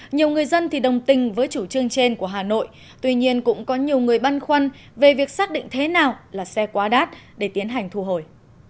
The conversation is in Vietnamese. nhiều người dân thì đồng tình với chủ trương trên của hà nội tuy nhiên cũng có nhiều người băn khoăn về việc xác định thế nào là xe quá đắt để tiến hành thu hồi